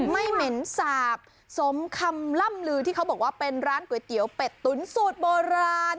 เหม็นสาบสมคำล่ำลือที่เขาบอกว่าเป็นร้านก๋วยเตี๋ยวเป็ดตุ๋นสูตรโบราณ